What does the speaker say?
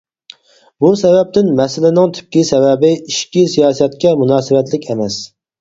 بۇ سەۋەبتىن مەسىلىنىڭ تۈپكى سەۋەبى ئىچكى سىياسەتكە مۇناسىۋەتلىك ئەمەس.